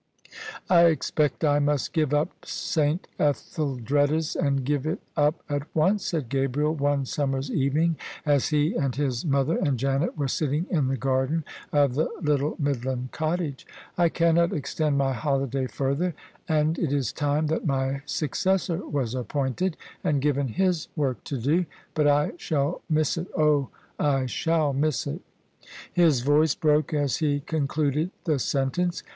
" I expect I must give up S. Etheldreda's, and give it up at once," said Gabriel, one summer's evening, as he and his mother and Janet were sitting in the garden of the little Midland cottage; "I cannot extend my holiday further: and it is time that my successor was appointed and given his work to do. But I shall miss it— oh, I shall miss it I " His voice broke as he concluded the sentence.